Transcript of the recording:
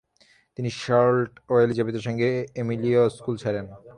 তিনি শার্লট ও এলিজাবেথের সঙ্গে এমিলিও স্কুল ছাড়েন।